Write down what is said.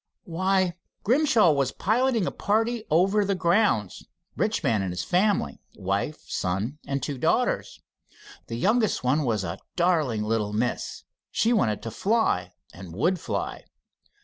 "Why, Grimshaw was piloting a party over the grounds. Rich man and his family wife, son and two daughters. The youngest one was a daring little miss. She wanted to fly, and would fly.